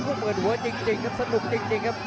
ภูมิเหมือนเวิร์ดจริงครับสนุกจริงครับ